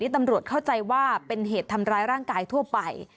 ตำรวจเข้าใจว่าเป็นเหตุทำร้ายร่างกายทั่วไป